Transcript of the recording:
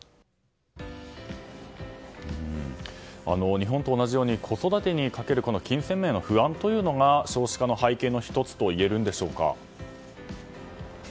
日本と同じように子育てにかける金銭面の不安というのが少子化の背景の１つといえるんでしょうか。